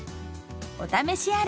お試しあれ！